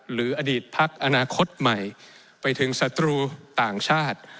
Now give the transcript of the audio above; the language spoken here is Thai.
หรืออดีตพักอนาคตใหม่ไปถึงศัตรูต่างชาติ